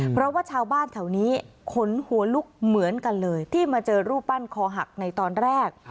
เพราะว่าชาวบ้านแถวนี้ขนหัวลุกเหมือนกันเลยที่มาเจอรูปปั้นคอหักในตอนแรก